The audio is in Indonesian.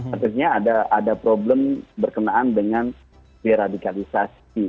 artinya ada problem berkenaan dengan deradikalisasi